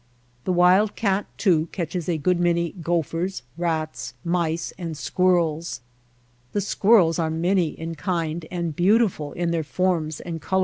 The wild cat, too, catches a good many gophers, rats, mice, and squirrels. The squirrels are many in kind and beautiful in their forms and colorings.